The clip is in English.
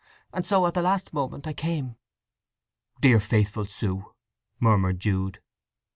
And so—at the last moment—I came." "Dear faithful Sue!" murmured Jude.